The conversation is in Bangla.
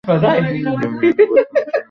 ইউনিয়নের বর্তমান চেয়ারম্যান রাশেদ রউফ।